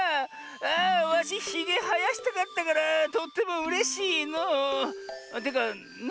あわしひげはやしたかったからとってもうれしいのう。というかな